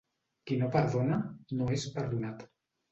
Qui no perdona, no és perdonat.